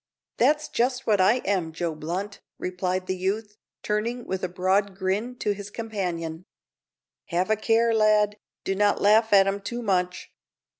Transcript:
"That's just what I am, Joe Blunt," replied the youth, turning with a broad grin to his companion. "Have a care, lad; do not laugh at 'em too much.